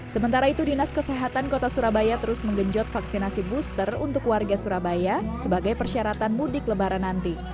sementara itu dinas kesehatan kota surabaya terus menggenjot vaksinasi booster untuk warga surabaya sebagai persyaratan mudik lebaran nanti